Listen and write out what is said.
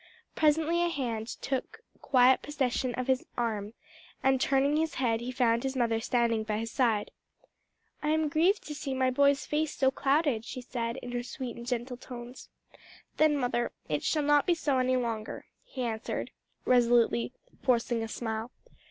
Presently a hand took quiet possession of his arm, and turning his head he found his mother standing by his side. "I am grieved to see my boy's face so clouded," she said in her sweet and gentle tones. "Then, mother, it shall not be so any longer," he answered, resolutely forcing a smile.